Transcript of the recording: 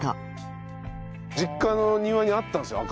実家の庭にあったんですよ